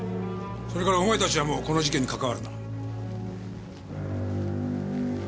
それからお前たちはもうこの事件に関わるな。